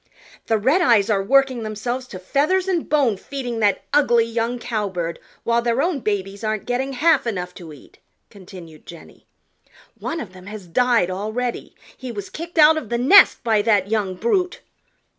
"The Redeyes are working themselves to feathers and bone feeding that ugly young Cowbird while their own babies aren't getting half enough to eat," continued Jenny. "One of them has died already. He was kicked out of the nest by that young brute."